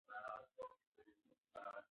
ما په خپله څوکۍ کې د ارامۍ احساس کاوه.